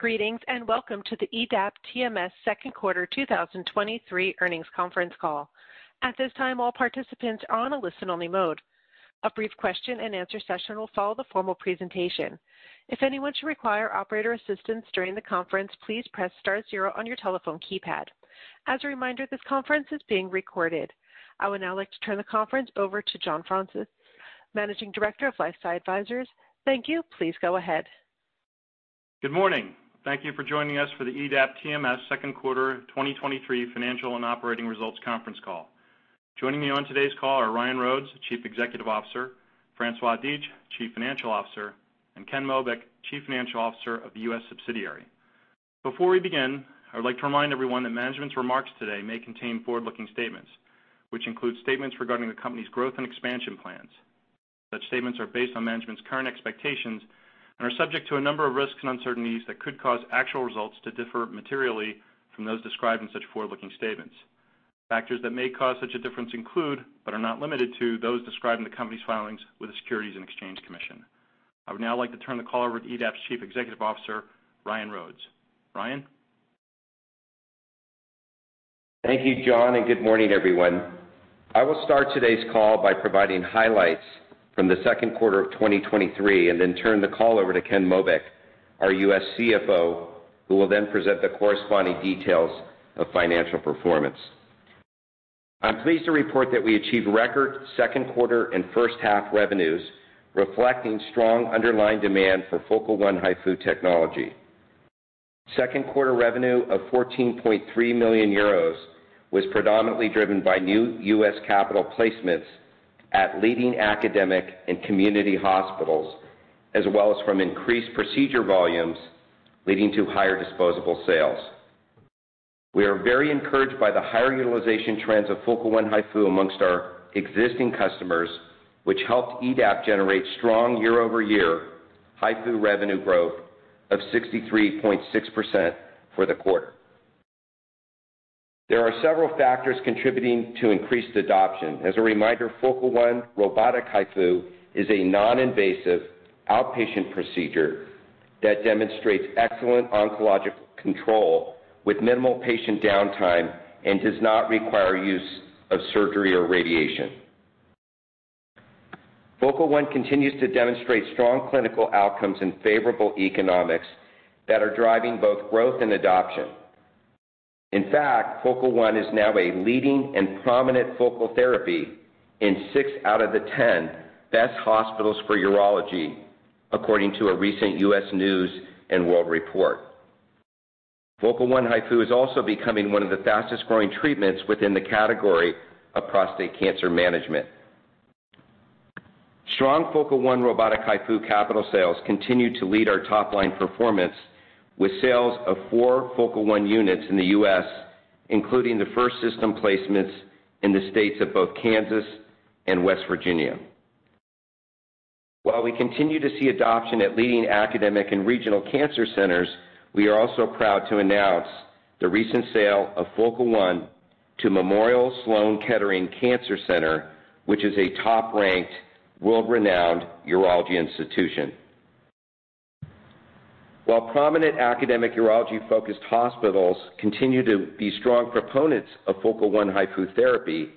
Greetings, and welcome to the EDAP TMS second quarter 2023 earnings conference call. At this time, all participants are on a listen-only mode. A brief question-and-answer session will follow the formal presentation. If anyone should require operator assistance during the conference, please press star zero on your telephone keypad. As a reminder, this conference is being recorded. I would now like to turn the conference over to John Fraunces, Managing Director of LifeSci Advisors. Thank you. Please go ahead. Good morning. Thank you for joining us for the EDAP TMS second quarter 2023 financial and operating results conference call. Joining me on today's call are Ryan Rhodes, Chief Executive Officer, François Dietsch, Chief Financial Officer, and Ken Mobeck, Chief Financial Officer of the U.S. Subsidiary. Before we begin, I would like to remind everyone that management's remarks today may contain forward-looking statements, which include statements regarding the company's growth and expansion plans. Such statements are based on management's current expectations and are subject to a number of risks and uncertainties that could cause actual results to differ materially from those described in such forward-looking statements. Factors that may cause such a difference include, but are not limited to, those described in the company's filings with the Securities and Exchange Commission. I would now like to turn the call over to EDAP's Chief Executive Officer, Ryan Rhodes. Ryan? Thank you, John, and good morning, everyone. I will start today's call by providing highlights from the second quarter of 2023, and then turn the call over to Ken Mobeck, our U.S. CFO, who will then present the corresponding details of financial performance. I'm pleased to report that we achieved record second quarter and first half revenues, reflecting strong underlying demand for Focal One HIFU technology. Second quarter revenue of 14.3 million euros was predominantly driven by new U.S. capital placements at leading academic and community hospitals, as well as from increased procedure volumes leading to higher disposable sales. We are very encouraged by the higher utilization trends of Focal One HIFU among our existing customers, which helped EDAP generate strong year-over-year HIFU revenue growth of 63.6% for the quarter. There are several factors contributing to increased adoption. As a reminder, Focal One robotic HIFU is a non-invasive outpatient procedure that demonstrates excellent oncological control with minimal patient downtime and does not require use of surgery or radiation. Focal One continues to demonstrate strong clinical outcomes and favorable economics that are driving both growth and adoption. In fact, Focal One is now a leading and prominent focal therapy in 6 out of the 10 best hospitals for urology, according to a recent U.S. News & World Report. Focal One HIFU is also becoming one of the fastest-growing treatments within the category of prostate cancer management. Strong Focal One robotic HIFU capital sales continue to lead our top-line performance, with sales of 4 Focal One units in the U.S., including the first system placements in the states of both Kansas and West Virginia. While we continue to see adoption at leading academic and regional cancer centers, we are also proud to announce the recent sale of Focal One to Memorial Sloan Kettering Cancer Center, which is a top-ranked, world-renowned urology institution. While prominent academic urology-focused hospitals continue to be strong proponents of Focal One HIFU therapy,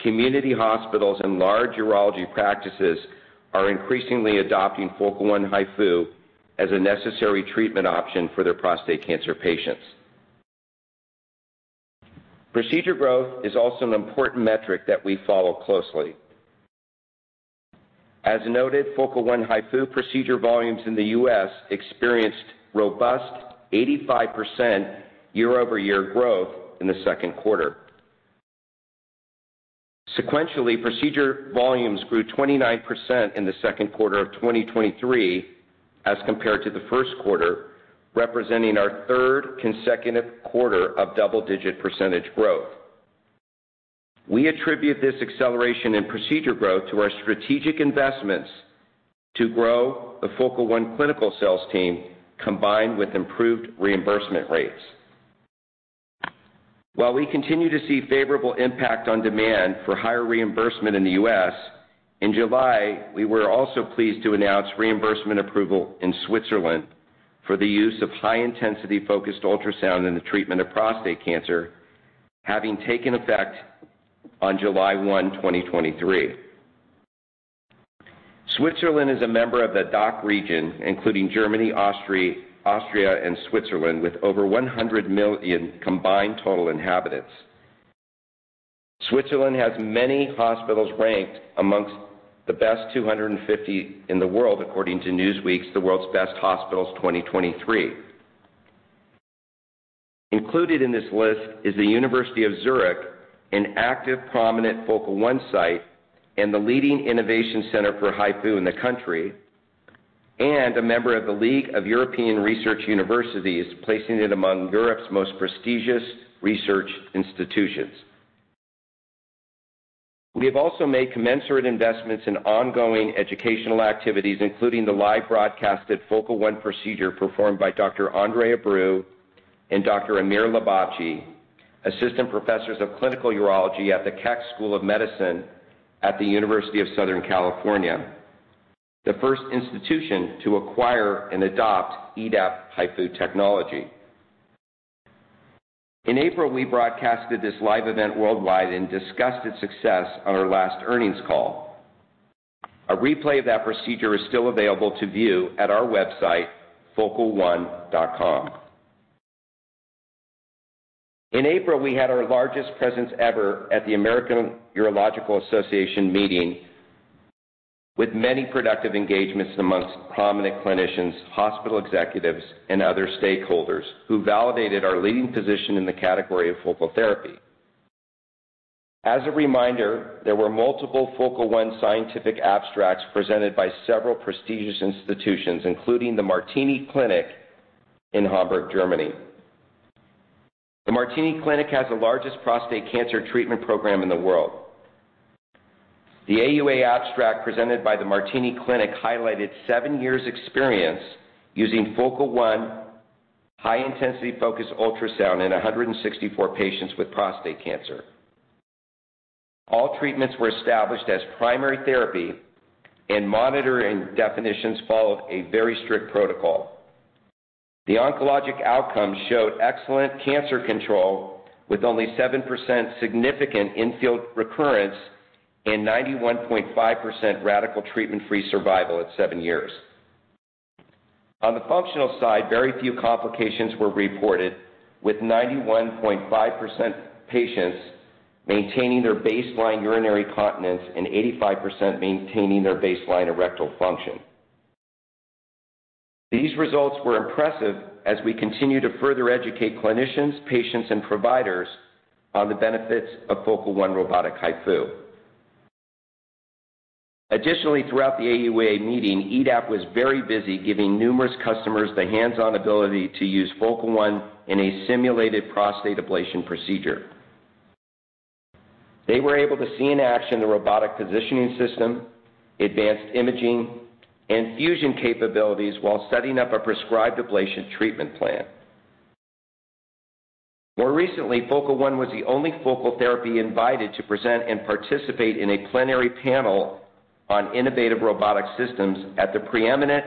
community hospitals and large urology practices are increasingly adopting Focal One HIFU as a necessary treatment option for their prostate cancer patients. Procedure growth is also an important metric that we follow closely. As noted, Focal One HIFU procedure volumes in the U.S. experienced robust 85% year-over-year growth in the second quarter. Sequentially, procedure volumes grew 29% in the second quarter of 2023 as compared to the first quarter, representing our third consecutive quarter of double-digit percentage growth. We attribute this acceleration in procedure growth to our strategic investments to grow the Focal One clinical sales team, combined with improved reimbursement rates. While we continue to see favorable impact on demand for higher reimbursement in the U.S., in July, we were also pleased to announce reimbursement approval in Switzerland for the use of high-intensity focused ultrasound in the treatment of prostate cancer, having taken effect on July 1, 2023. Switzerland is a member of the DACH region, including Germany, Austria, and Switzerland, with over 100 million combined total inhabitants. Switzerland has many hospitals ranked among the best 250 in the world, according to Newsweek's The World's Best Hospitals 2023. Included in this list is the University of Zurich, an active, prominent Focal One site and the leading innovation center for HIFU in the country, and a member of the League of European Research Universities, placing it among Europe's most prestigious research institutions. We have also made commensurate investments in ongoing educational activities, including the live broadcast at Focal One procedure performed by Dr. Andre Abreu and Dr. Amir Lebastchi, Assistant Professors of Clinical Urology at the Keck School of Medicine at the University of Southern California, the first institution to acquire and adopt EDAP HIFU technology. In April, we broadcasted this live event worldwide and discussed its success on our last earnings call. A replay of that procedure is still available to view at our website, focalone.com. In April, we had our largest presence ever at the American Urological Association meeting, with many productive engagements among prominent clinicians, hospital executives, and other stakeholders who validated our leading position in the category of focal therapy. As a reminder, there were multiple Focal One scientific abstracts presented by several prestigious institutions, including the Martini-Klinik in Hamburg, Germany. The Martini-Klinik has the largest prostate cancer treatment program in the world. The AUA abstract, presented by the Martini-Klinik, highlighted 7 years' experience using Focal One high-intensity focused ultrasound in 164 patients with prostate cancer. All treatments were established as primary therapy, and monitoring definitions followed a very strict protocol. The oncologic outcomes showed excellent cancer control, with only 7% significant infield recurrence and 91.5% radical treatment-free survival at 7 years. On the functional side, very few complications were reported, with 91.5% patients maintaining their baseline urinary continence and 85% maintaining their baseline erectile function. These results were impressive as we continue to further educate clinicians, patients, and providers on the benefits of Focal One robotic HIFU. Additionally, throughout the AUA meeting, EDAP was very busy giving numerous customers the hands-on ability to use Focal One in a simulated prostate ablation procedure. They were able to see in action the robotic positioning system, advanced imaging, and fusion capabilities while setting up a prescribed ablation treatment plan. More recently, Focal One was the only focal therapy invited to present and participate in a plenary panel on innovative robotic systems at the preeminent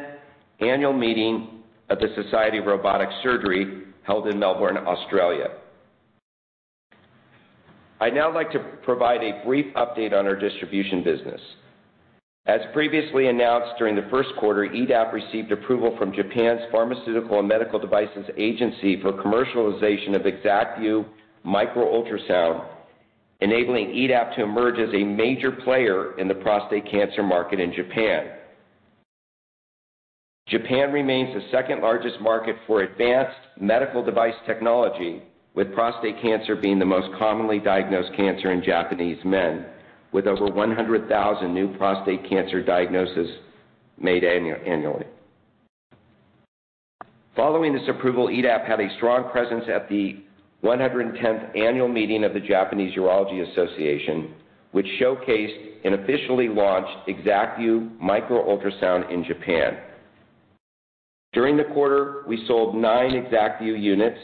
annual meeting of the Society of Robotic Surgery, held in Melbourne, Australia. I'd now like to provide a brief update on our distribution business. As previously announced, during the first quarter, EDAP received approval from Japan's Pharmaceuticals and Medical Devices Agency for commercialization of ExactVu micro-ultrasound, enabling EDAP to emerge as a major player in the prostate cancer market in Japan. Japan remains the second-largest market for advanced medical device technology, with prostate cancer being the most commonly diagnosed cancer in Japanese men, with over 100,000 new prostate cancer diagnoses made annually. Following this approval, EDAP had a strong presence at the 110th annual meeting of the Japanese Urology Association, which showcased and officially launched ExactVu micro-ultrasound in Japan. During the quarter, we sold nine ExactVu units.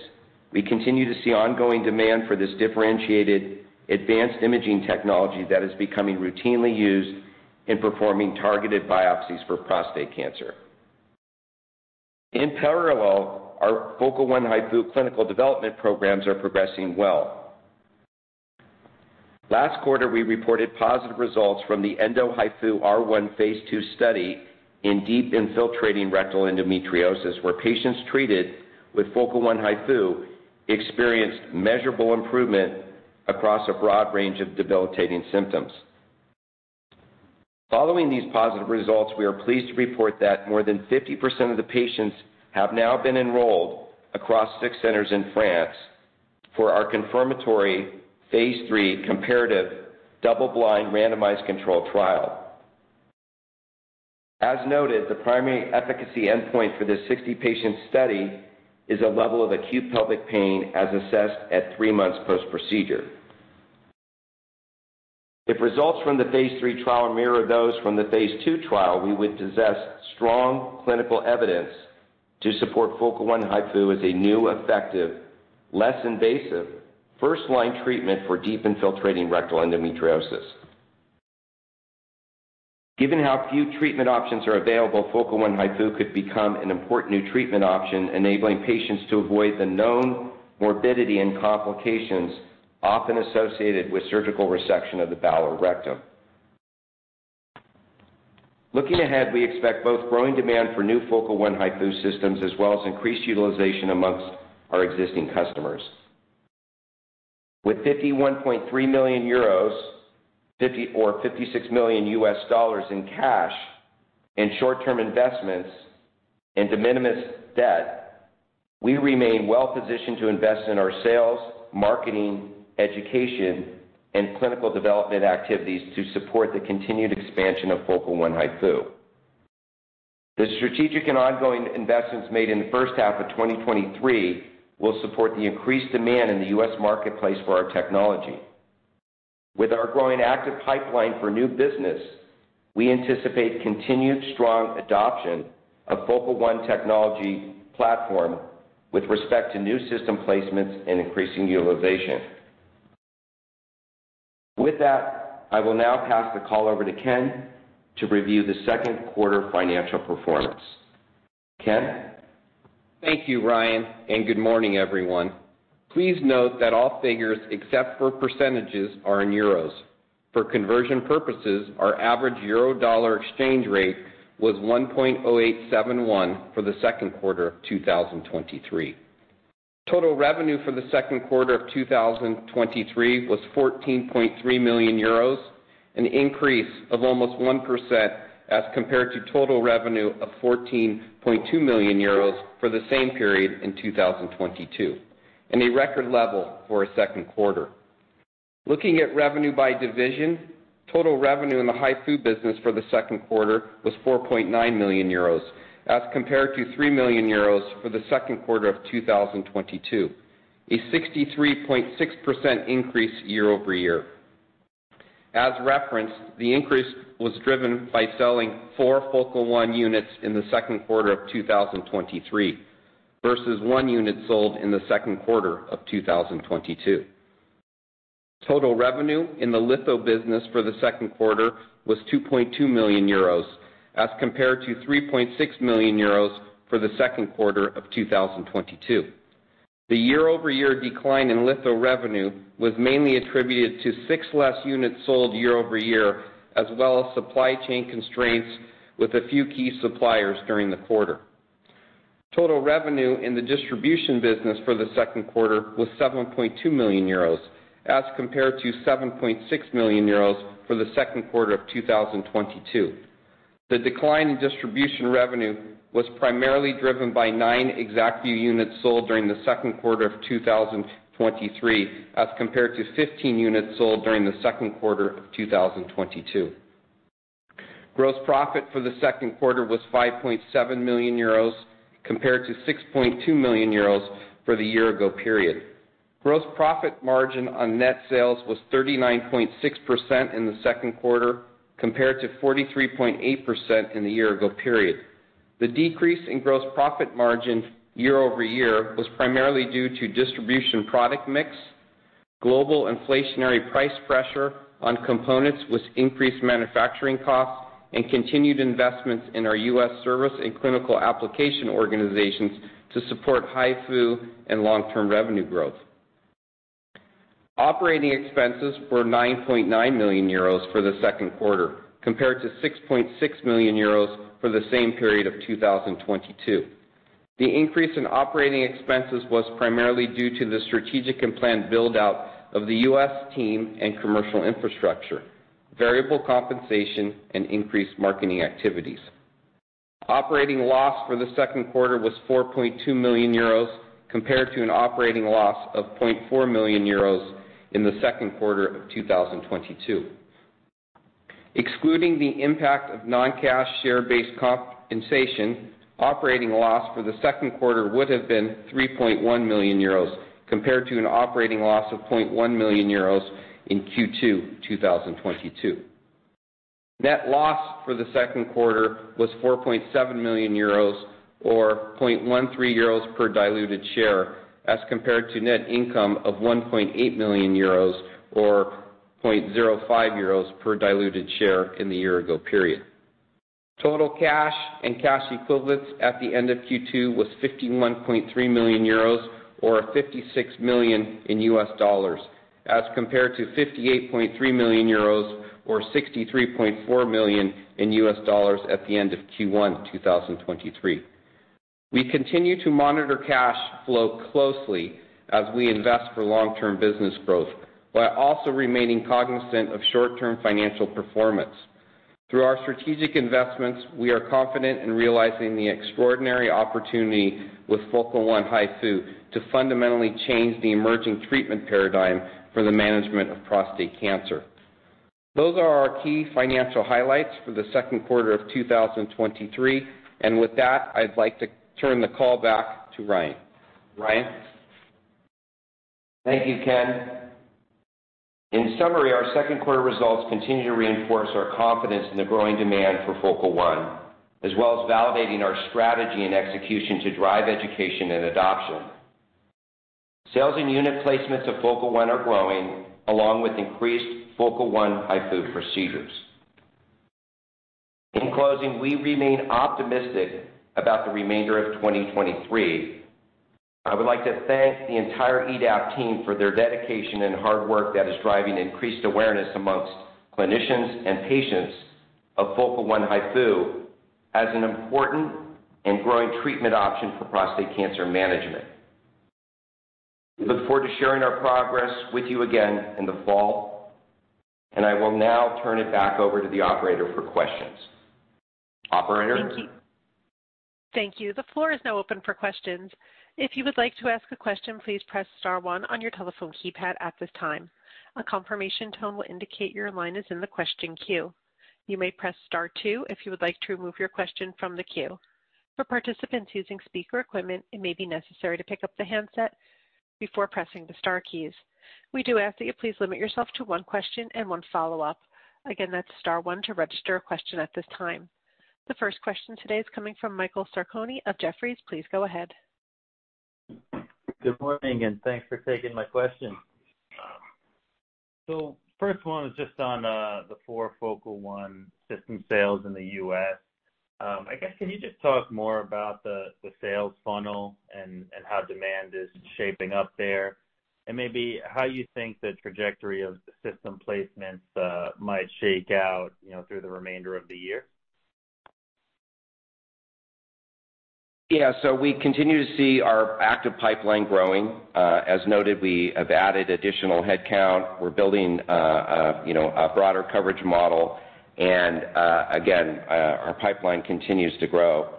We continue to see ongoing demand for this differentiated advanced imaging technology that is becoming routinely used in performing targeted biopsies for prostate cancer. In parallel, our Focal One HIFU clinical development programs are progressing well. Last quarter, we reported positive results from the Endo HIFU R1 phase two study in deep infiltrating rectal endometriosis, where patients treated with Focal One HIFU experienced measurable improvement across a broad range of debilitating symptoms. Following these positive results, we are pleased to report that more than 50% of the patients have now been enrolled across six centers in France for our confirmatory phase three comparative double-blind, randomized controlled trial. As noted, the primary efficacy endpoint for this 60-patient study is a level of acute pelvic pain, as assessed at three months post-procedure. If results from the phase three trial mirror those from the phase two trial, we would possess strong clinical evidence to support Focal One HIFU as a new, effective, less invasive, first-line treatment for deep infiltrating rectal endometriosis. Given how few treatment options are available, Focal One HIFU could become an important new treatment option, enabling patients to avoid the known morbidity and complications often associated with surgical resection of the bowel or rectum. Looking ahead, we expect both growing demand for new Focal One HIFU systems, as well as increased utilization among our existing customers. With 51.3 million euros, or $56 million in cash and short-term investments, and de minimis debt, we remain well positioned to invest in our sales, marketing, education, and clinical development activities to support the continued expansion of Focal One HIFU. The strategic and ongoing investments made in the first half of 2023 will support the increased demand in the U.S. marketplace for our technology. With our growing active pipeline for new business, we anticipate continued strong adoption of Focal One technology platform with respect to new system placements and increasing utilization. With that, I will now pass the call over to Ken to review the second quarter financial performance. Ken? Thank you, Ryan, and good morning, everyone. Please note that all figures, except for percentages, are in euros. For conversion purposes, our average euro-dollar exchange rate was 1.0871 for the second quarter of 2023. Total revenue for the second quarter of 2023 was 14.3 million euros, an increase of almost 1% as compared to total revenue of 14.2 million euros for the same period in 2022, and a record level for a second quarter. Looking at revenue by division, total revenue in the HIFU business for the second quarter was 4.9 million euros, as compared to 3 million euros for the second quarter of 2022, a 63.6% increase year-over-year. As referenced, the increase was driven by selling 4 Focal One units in the second quarter of 2023 versus 1 unit sold in the second quarter of 2022. Total revenue in the litho business for the second quarter was 2.2 million euros, as compared to 3.6 million euros for the second quarter of 2022. The year-over-year decline in litho revenue was mainly attributed to 6 less units sold year over year, as well as supply chain constraints with a few key suppliers during the quarter. Total revenue in the distribution business for the second quarter was 7.2 million euros, as compared to 7.6 million euros for the second quarter of 2022. The decline in distribution revenue was primarily driven by 9 ExactVu units sold during the second quarter of 2023, as compared to 15 units sold during the second quarter of 2022. Gross profit for the second quarter was 5.7 million euros, compared to 6.2 million euros for the year ago period. Gross profit margin on net sales was 39.6% in the second quarter, compared to 43.8% in the year ago period. The decrease in gross profit margin year-over-year was primarily due to distribution product mix, global inflationary price pressure on components with increased manufacturing costs, and continued investments in our U.S. service and clinical application organizations to support HIFU and long-term revenue growth. Operating expenses were 9.9 million euros for the second quarter, compared to 6.6 million euros for the same period of 2022. The increase in operating expenses was primarily due to the strategic and planned build-out of the US team and commercial infrastructure, variable compensation, and increased marketing activities. Operating loss for the second quarter was 4.2 million euros, compared to an operating loss of 0.4 million euros in the second quarter of 2022. Excluding the impact of non-cash share-based compensation, operating loss for the second quarter would have been 3.1 million euros, compared to an operating loss of 0.1 million euros in Q2 2022. Net loss for the second quarter was 4.7 million euros, or 0.13 euros per diluted share, as compared to net income of 1.8 million euros or 0.05 euros per diluted share in the year ago period. Total cash and cash equivalents at the end of Q2 was 51.3 million euros or $56 million, as compared to 58.3 million euros or $63.4 million at the end of Q1 2023. We continue to monitor cash flow closely as we invest for long-term business growth, while also remaining cognizant of short-term financial performance. Through our strategic investments, we are confident in realizing the extraordinary opportunity with Focal One HIFU to fundamentally change the emerging treatment paradigm for the management of prostate cancer. Those are our key financial highlights for the second quarter of 2023. With that, I'd like to turn the call back to Ryan. Ryan? Thank you, Ken. In summary, our second quarter results continue to reinforce our confidence in the growing demand for Focal One, as well as validating our strategy and execution to drive education and adoption. Sales and unit placements of Focal One are growing, along with increased Focal One HIFU procedures. In closing, we remain optimistic about the remainder of 2023. I would like to thank the entire EDAP team for their dedication and hard work that is driving increased awareness amongst clinicians and patients of Focal One HIFU as an important and growing treatment option for prostate cancer management. We look forward to sharing our progress with you again in the fall, and I will now turn it back over to the operator for questions. Operator? Thank you. Thank you. The floor is now open for questions. If you would like to ask a question, please press star one on your telephone keypad at this time. A confirmation tone will indicate your line is in the question queue. You may press star two if you would like to remove your question from the queue. For participants using speaker equipment, it may be necessary to pick up the handset before pressing the star keys. We do ask that you please limit yourself to one question and one follow-up. Again, that's star one to register a question at this time. The first question today is coming from Michael Sarcone of Jefferies. Please go ahead. Good morning, and thanks for taking my question. So first one is just on the four Focal One system sales in the U.S. I guess, can you just talk more about the sales funnel and how demand is shaping up there? And maybe how you think the trajectory of system placements might shake out, you know, through the remainder of the year. Yeah, so we continue to see our active pipeline growing. As noted, we have added additional headcount. We're building, you know, a broader coverage model, and, again, our pipeline continues to grow.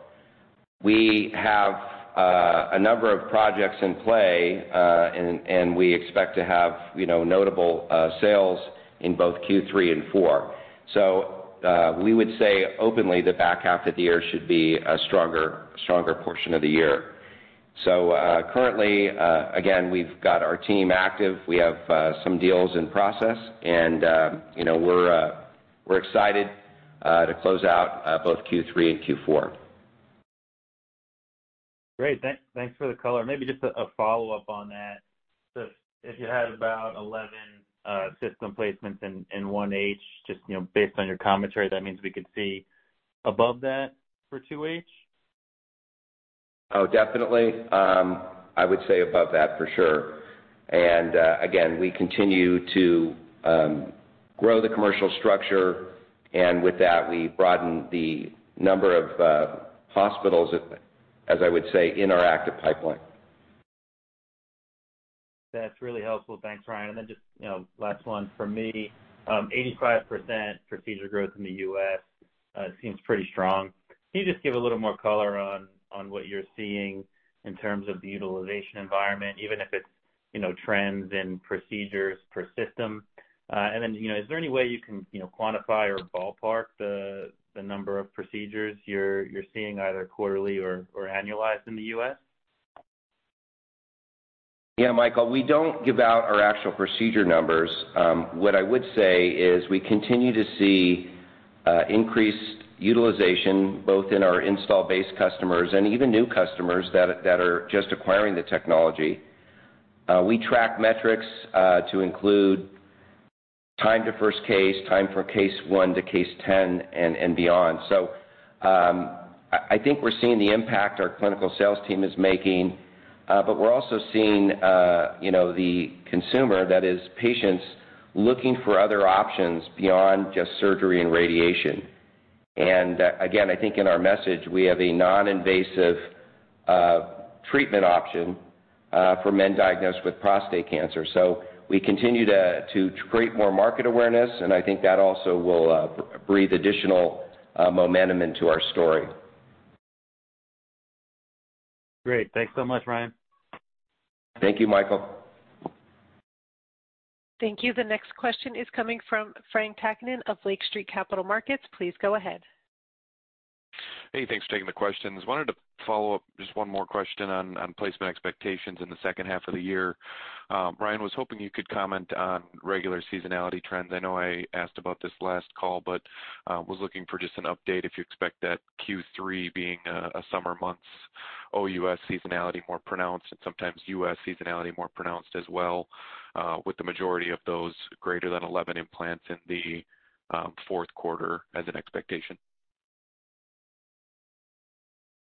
We have a number of projects in play, and we expect to have, you know, notable sales in both Q3 and Q4. So, we would say openly, the back half of the year should be a stronger, stronger portion of the year. So, currently, again, we've got our team active. We have some deals in process, and, you know, we're excited to close out both Q3 and Q4. Great. Thanks for the color. Maybe just a follow-up on that. So if you had about 11 system placements in 1H, just, you know, based on your commentary, that means we could see above that for 2H? Oh, definitely. I would say above that for sure. And, again, we continue to grow the commercial structure, and with that, we broaden the number of hospitals, as I would say, in our active pipeline. That's really helpful. Thanks, Ryan. And then just, you know, last one for me. 85% procedure growth in the US seems pretty strong. Can you just give a little more color on what you're seeing in terms of the utilization environment, even if it's, you know, trends in procedures per system? And then, you know, is there any way you can, you know, quantify or ballpark the number of procedures you're seeing, either quarterly or annualized in the US? Yeah, Michael, we don't give out our actual procedure numbers. What I would say is we continue to see increased utilization, both in our install base customers and even new customers that are just acquiring the technology. We track metrics to include time to first case, time from case 1 to case 10, and beyond. So, I think we're seeing the impact our clinical sales team is making, but we're also seeing, you know, the consumer, that is, patients, looking for other options beyond just surgery and radiation. And again, I think in our message, we have a non-invasive treatment option for men diagnosed with prostate cancer. So we continue to create more market awareness, and I think that also will breathe additional momentum into our story. Great. Thanks so much, Ryan. Thank you, Michael. Thank you. The next question is coming from Frank Takkinen of Lake Street Capital Markets. Please go ahead. Hey, thanks for taking the questions. Wanted to follow up, just one more question on placement expectations in the second half of the year. Ryan, was hoping you could comment on regular seasonality trends. I know I asked about this last call, but was looking for just an update, if you expect that Q3 being a summer month, OUS seasonality more pronounced, and sometimes U.S. seasonality more pronounced as well, with the majority of those greater than 11 implants in the fourth quarter as an expectation.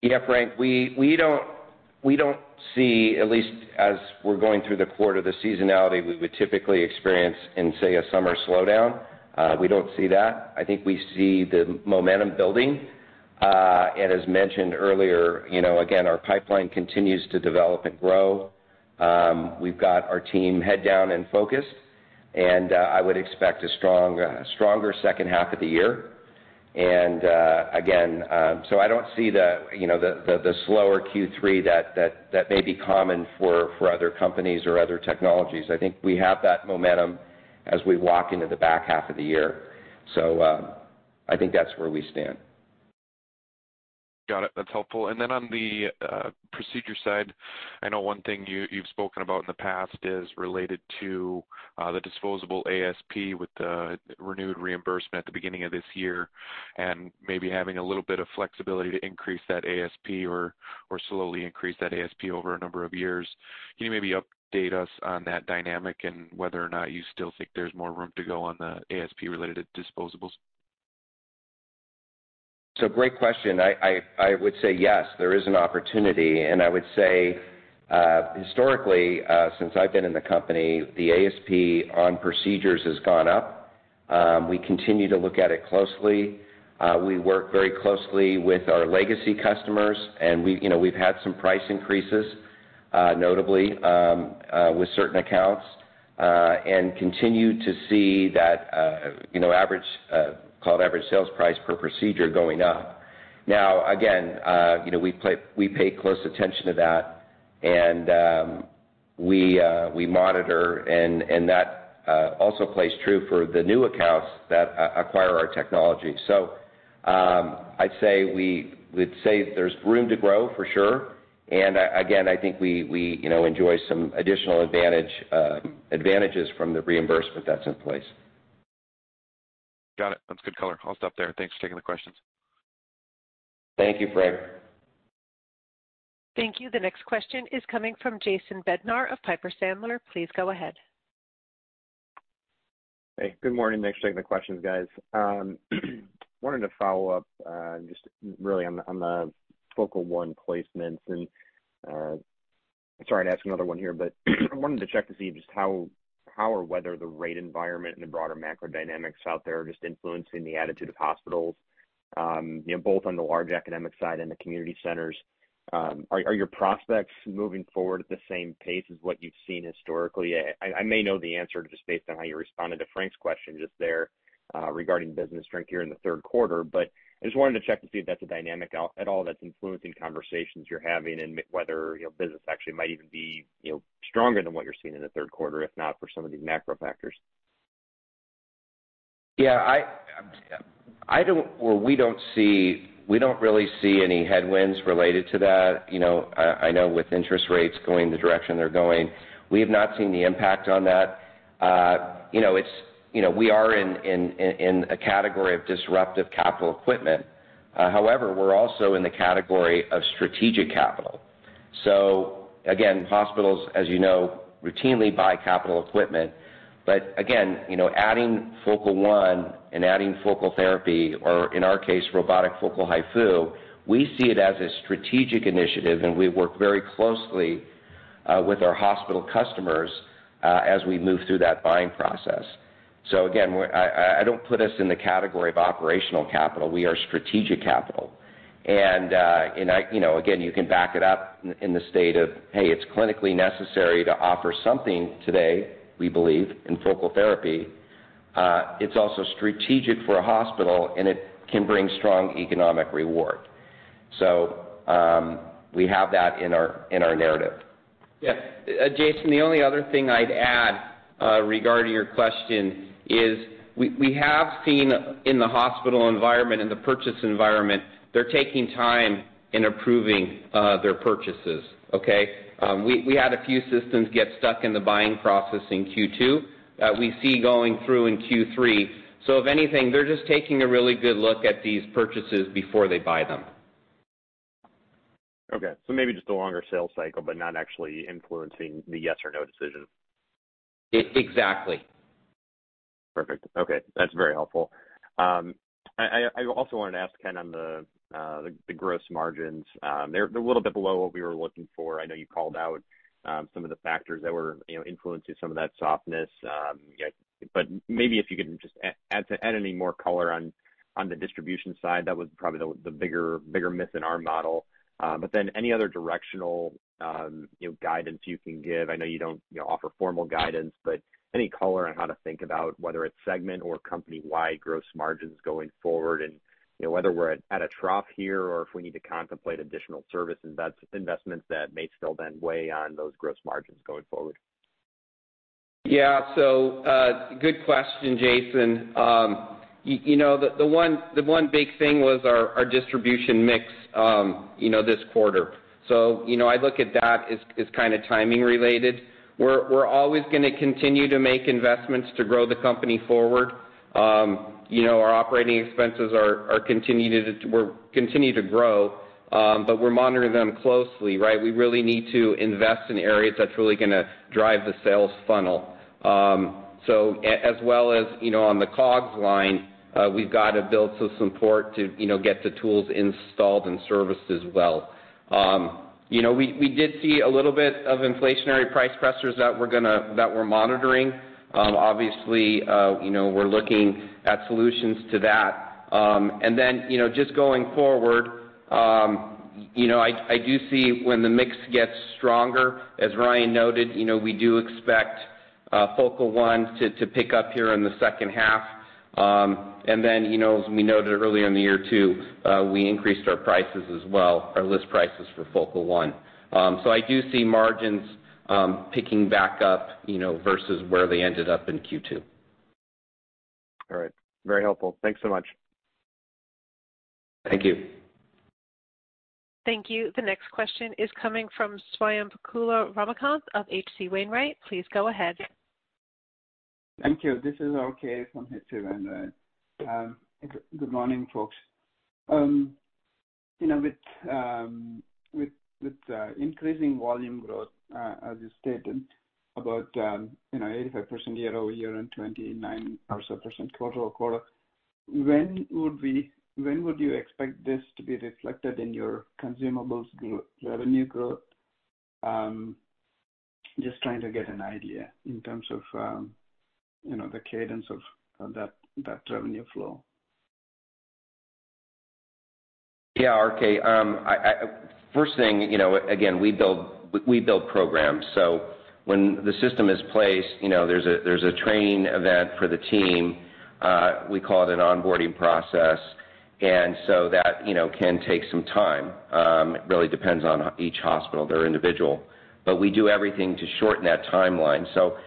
Yeah, Frank, we don't see, at least as we're going through the quarter, the seasonality we would typically experience in, say, a summer slowdown. We don't see that. I think we see the momentum building. As mentioned earlier, you know, again, our pipeline continues to develop and grow. We've got our team heads down and focused, and I would expect a strong, stronger second half of the year. Again, so I don't see the, you know, the slower Q3 that may be common for other companies or other technologies. I think we have that momentum as we walk into the back half of the year. I think that's where we stand. Got it. That's helpful. Then on the procedure side, I know one thing you, you've spoken about in the past is related to the disposable ASP with the renewed reimbursement at the beginning of this year, and maybe having a little bit of flexibility to increase that ASP or, or slowly increase that ASP over a number of years. Can you maybe update us on that dynamic and whether or not you still think there's more room to go on the ASP-related disposables? So great question. I would say, yes, there is an opportunity, and I would say, historically, since I've been in the company, the ASP on procedures has gone up. We continue to look at it closely. We work very closely with our legacy customers, and we've, you know, we've had some price increases, notably, with certain accounts, and continue to see that, you know, average, called average sales price per procedure going up. Now, again, you know, we pay close attention to that, and we monitor, and that also plays true for the new accounts that acquire our technology. So, I'd say we'd say there's room to grow, for sure. And again, I think we enjoy some additional advantage, advantages from the reimbursement that's in place. Got it. That's good color. I'll stop there. Thanks for taking the questions. Thank you, Frank. Thank you. The next question is coming from Jason Bednar of Piper Sandler. Please go ahead. Hey, good morning. Thanks for taking the questions, guys. Wanted to follow up, just really on the Focal One placements, and, sorry to ask another one here, but I wanted to check to see just how or whether the rate environment and the broader macro dynamics out there are just influencing the attitude of hospitals, you know, both on the large academic side and the community centers. Are your prospects moving forward at the same pace as what you've seen historically? I may know the answer just based on how you responded to Frank's question just there, regarding business strength here in the third quarter, but I just wanted to check to see if that's a dynamic at all that's influencing conversations you're having and whether, you know, business actually might even be, you know, stronger than what you're seeing in the third quarter, if not for some of these macro factors. Yeah, we don't really see any headwinds related to that. You know, I know with interest rates going the direction they're going, we have not seen the impact on that. You know, we are in a category of disruptive capital equipment. However, we're also in the category of strategic capital. So again, hospitals, as you know, routinely buy capital equipment. But again, you know, adding Focal One and adding focal therapy, or in our case, robotic focal HIFU, we see it as a strategic initiative, and we work very closely with our hospital customers as we move through that buying process. So again, I don't put us in the category of operational capital. We are strategic capital. And I You know, again, you can back it up in the state of, hey, it's clinically necessary to offer something today, we believe, in focal therapy. It's also strategic for a hospital, and it can bring strong economic reward. So, we have that in our, in our narrative. Yeah. Jason, the only other thing I'd add regarding your question is we have seen in the hospital environment, in the purchase environment, they're taking time in approving their purchases, okay? We had a few systems get stuck in the buying process in Q2, we see going through in Q3. So if anything, they're just taking a really good look at these purchases before they buy them. Okay, so maybe just a longer sales cycle, but not actually influencing the yes or no decision. Exactly. Perfect. Okay, that's very helpful. I also wanted to ask kind of on the gross margins. They're a little bit below what we were looking for. I know you called out some of the factors that were, you know, influencing some of that softness, but maybe if you could just add any more color on the distribution side, that was probably the bigger miss in our model. But then any other directional, you know, guidance you can give? I know you don't, you know, offer formal guidance, but any color on how to think about whether it's segment or company-wide gross margins going forward, and, you know, whether we're at a trough here or if we need to contemplate additional service investments that may still then weigh on those gross margins going forward. Yeah. So, good question, Jason. You know, the one big thing was our distribution mix, you know, this quarter. So, you know, I look at that as kind of timing related. We're always going to continue to make investments to grow the company forward. You know, our operating expenses are continued to, were continue to grow, but we're monitoring them closely, right? We really need to invest in areas that's really going to drive the sales funnel. So as well as, you know, on the COGS line, we've got to build some support to, you know, get the tools installed and serviced as well. You know, we did see a little bit of inflationary price pressures that we're gonna that we're monitoring. Obviously, you know, we're looking at solutions to that. And then, you know, just going forward, you know, I do see when the mix gets stronger, as Ryan noted, you know, we do expect Focal One to pick up here in the second half. And then, you know, as we noted earlier in the year, too, we increased our prices as well, our list prices for Focal One. So I do see margins picking back up, you know, versus where they ended up in Q2. All right. Very helpful. Thanks so much. Thank you. Thank you. The next question is coming from Swayampakula Ramakanth of H.C. Wainwright. Please go ahead. Thank you. This is RK from H.C. Wainwright. Good morning, folks. You know, with increasing volume growth, as you stated, about, you know, 85% year-over-year and 29% or so quarter-over-quarter, when would you expect this to be reflected in your consumables growth, revenue growth? Just trying to get an idea in terms of, you know, the cadence of that, that revenue flow. Yeah, RK. First thing, you know, again, we build, we build programs. So when the system is placed, you know, there's a training event for the team, we call it an onboarding process, and so that, you know, can take some time. It really depends on each hospital, they're individual, but we do everything to shorten that timeline. So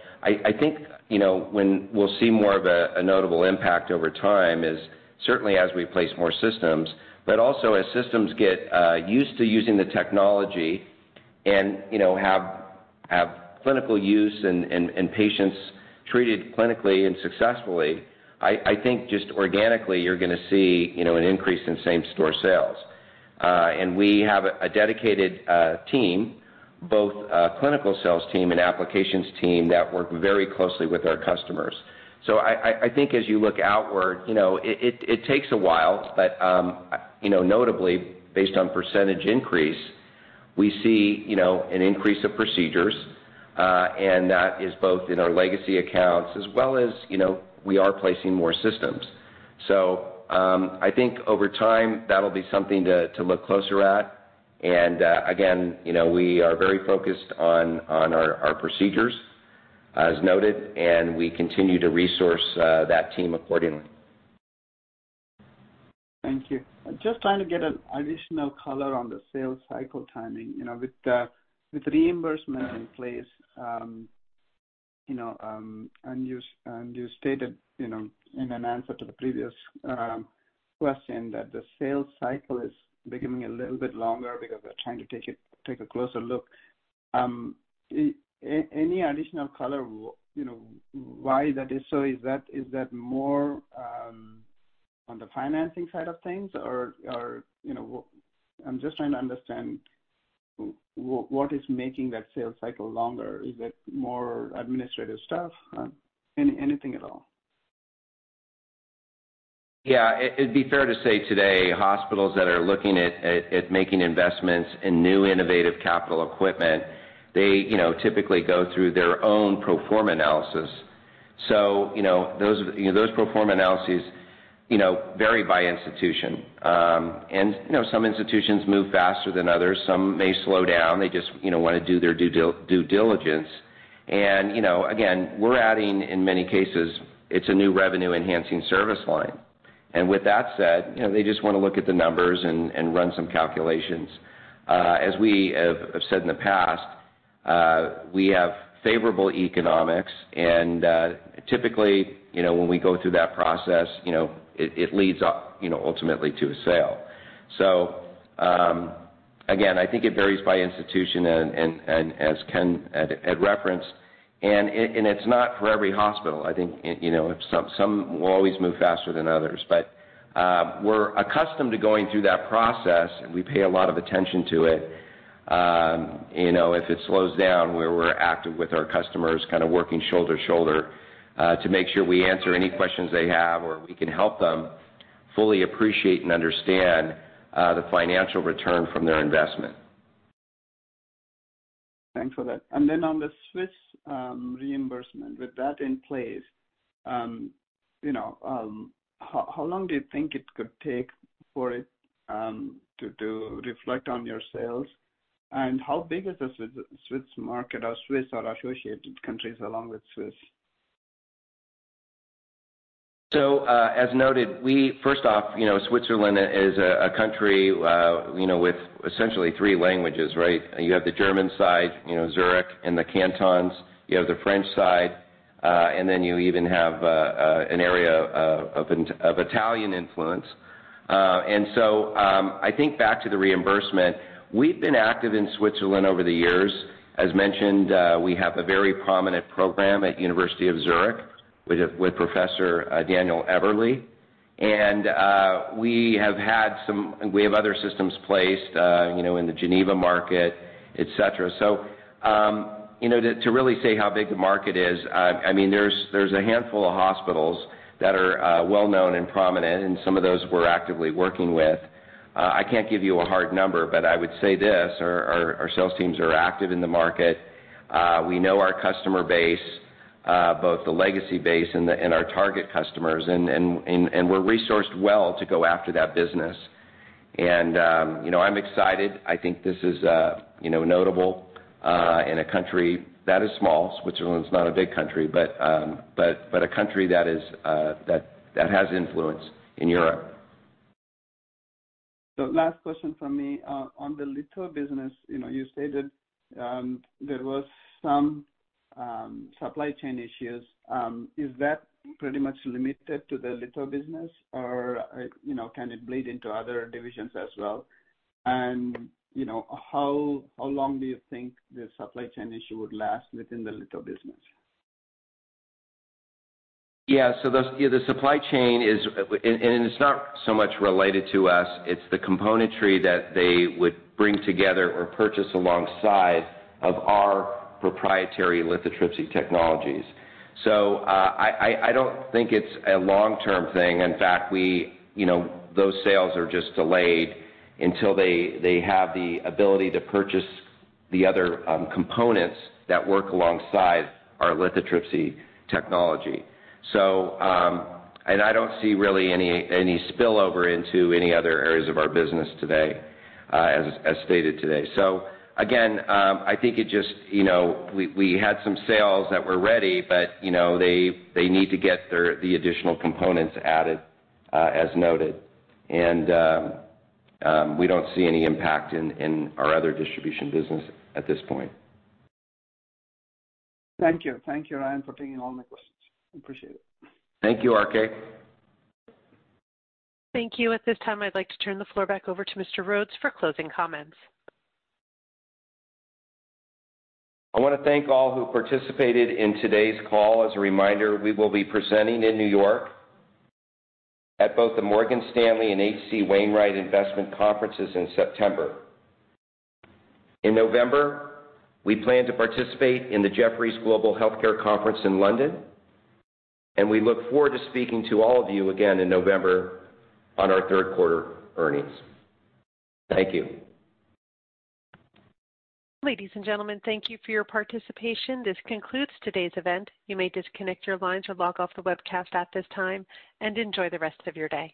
I think, you know, when we'll see more of a notable impact over time is certainly as we place more systems, but also as systems get used to using the technology and, you know, have clinical use and patients treated clinically and successfully, I think just organically, you're gonna see, you know, an increase in same-store sales. And we have a dedicated team, both a clinical sales team and applications team, that work very closely with our customers. So I think as you look outward, you know, it takes a while, but, you know, notably, based on percentage increase, we see, you know, an increase of procedures, and that is both in our legacy accounts as well as, you know, we are placing more systems. So I think over time, that'll be something to look closer at. And again, you know, we are very focused on our procedures, as noted, and we continue to resource that team accordingly. Thank you. I'm just trying to get an additional color on the sales cycle timing. You know, with the, with reimbursement in place, and you stated, you know, in an answer to the previous question, that the sales cycle is becoming a little bit longer because they're trying to take a closer look. Any additional color, you know, why that is so? Is that more on the financing side of things? Or, you know, I'm just trying to understand what is making that sales cycle longer. Is it more administrative stuff? Anything at all. Yeah. It'd be fair to say today, hospitals that are looking at making investments in new innovative capital equipment, they, you know, typically go through their own pro forma analysis. So, you know, those pro forma analyses, you know, vary by institution. And, you know, some institutions move faster than others. Some may slow down. They just, you know, wanna do their due diligence. And, you know, again, we're adding, in many cases, it's a new revenue-enhancing service line. And with that said, you know, they just wanna look at the numbers and run some calculations. As we have said in the past, we have favorable economics, and, typically, you know, when we go through that process, you know, it leads up, you know, ultimately to a sale. So, again, I think it varies by institution and as Ken had referenced, and it's not for every hospital. I think, you know, some will always move faster than others. But, we're accustomed to going through that process, and we pay a lot of attention to it. You know, if it slows down, we're active with our customers, kind of working shoulder to shoulder, to make sure we answer any questions they have, or we can help them fully appreciate and understand the financial return from their investment. Thanks for that. And then on the Swiss reimbursement, with that in place, you know, how long do you think it could take for it to reflect on your sales? And how big is the Swiss market or associated countries along with Swiss? So, as noted, we first off, you know, Switzerland is a country, you know, with essentially three languages, right? You have the German side, you know, Zurich and the Cantons, you have the French side, and then you even have an area of Italian influence. And so, I think back to the reimbursement, we've been active in Switzerland over the years. As mentioned, we have a very prominent program at University of Zurich with Professor Daniel Eberli. And we have other systems placed, you know, in the Geneva market, et cetera. So, you know, to really say how big the market is, I mean, there's a handful of hospitals that are well known and prominent, and some of those we're actively working with. I can't give you a hard number, but I would say this: our sales teams are active in the market. We know our customer base, both the legacy base and our target customers, and we're resourced well to go after that business. And, you know, I'm excited. I think this is, you know, notable, in a country that is small. Switzerland is not a big country, but a country that is, that has influence in Europe. So last question from me. On the litho business, you know, you stated, there was some supply chain issues. Is that pretty much limited to the litho business, or, you know, can it bleed into other divisions as well? And, you know, how long do you think the supply chain issue would last within the litho business? Yeah. So the supply chain is, and it's not so much related to us, it's the componentry that they would bring together or purchase alongside of our proprietary lithotripsy technologies. So, I don't think it's a long-term thing. In fact, we, you know, those sales are just delayed until they have the ability to purchase the other components that work alongside our lithotripsy technology. So, and I don't see really any spillover into any other areas of our business today, as stated today. So again, I think it just, you know, we had some sales that were ready, but, you know, they need to get their the additional components added, as noted. And, we don't see any impact in our other distribution business at this point. Thank you. Thank you, Ryan, for taking all my questions. I appreciate it. Thank you, R.K. Thank you. At this time, I'd like to turn the floor back over to Mr. Rhodes for closing comments. I want to thank all who participated in today's call. As a reminder, we will be presenting in New York at both the Morgan Stanley and H.C. Wainwright investment conferences in September. In November, we plan to participate in the Jefferies Global Healthcare Conference in London, and we look forward to speaking to all of you again in November on our third-quarter earnings. Thank you. Ladies and gentlemen, thank you for your participation. This concludes today's event. You may disconnect your lines or log off the webcast at this time, and enjoy the rest of your day.